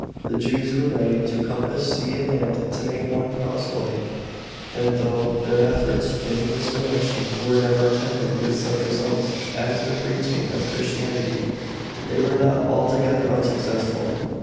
The Jews were ready "to compass sea and land to make one proselyte," and though their efforts in this direction were never attended with such results as the preaching of Chri>tianity, they were not altogether unsuccessful.